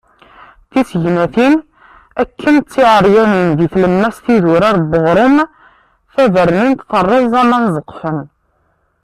Tisegnatin akken d tiɛeryanin di tlemmast n idurar n uɣrum. Tabernint terreẓ aman ẓeqfen.